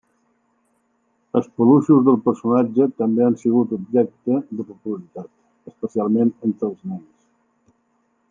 Els peluixos del personatge també han sigut objecte de popularitat, especialment entre els nens.